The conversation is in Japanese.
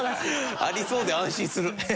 ありそうで安心する。